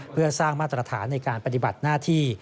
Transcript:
เพื่อสร้างมาตรฐานในการปฏิบัติหน้าที่